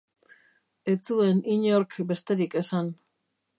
Ez zuen inork besterik esan.